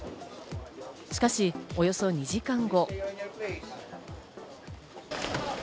しかし、およそ２時間後。